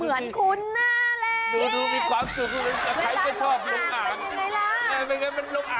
เหมือนคุณน่าแหละ